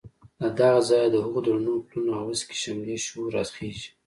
له دغه ځایه د هغو درنو پلونو او هسکې شملې شور راخېژي.